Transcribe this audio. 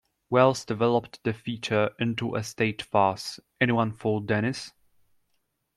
Wells developed the feature into a stage farce, Anyone for Denis?